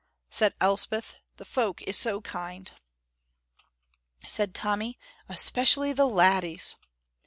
Said Elspeth, "The folk is so kind!" Said Tommy, "Especially the laddies!"